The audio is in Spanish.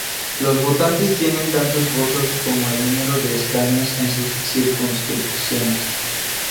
Los votantes tienen tantos votos como el número de escaños en sus circunscripciones.